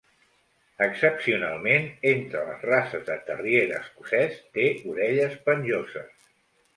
Excepcionalment entre les races de Terrier escocès, té orelles penjoses.